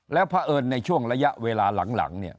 แล้วเพราะเอิญในช่วงระยะเวลาหลังเนี่ย